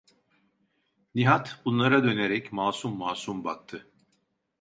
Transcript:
Nihat bunlara dönerek masum masum baktı: